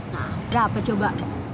nah berapa coba